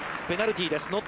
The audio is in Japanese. ペナルティーです。